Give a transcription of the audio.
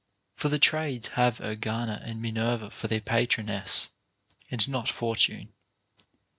479 For the trades have Ergana and Minerva for their patroness, and not Fortune.